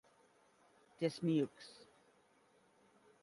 Dismukes.